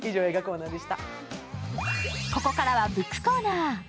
ここからはブックコーナー。